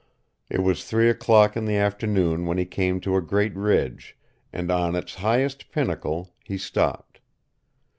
It was three o'clock in the afternoon when he came to a great ridge, and on its highest pinnacle he stopped.